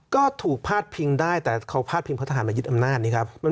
ก็ถูกพาดพิงได้แต่เขาพาดพิงเพราะทหารมายึดอำนาจนี้ครับ